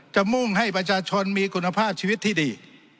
มุ่งให้ประชาชนมีคุณภาพชีวิตที่ดี